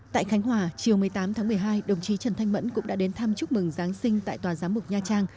tại khánh hòa chiều một mươi tám tháng một mươi hai đồng chí trần thanh mẫn cũng đã đến thăm chúc mừng giáng sinh tại tòa giám mục nha trang